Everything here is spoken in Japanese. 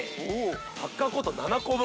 サッカーコート７個分。